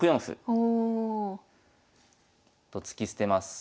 おお。と突き捨てます。